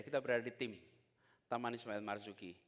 kita berada di tim taman ismail marzuki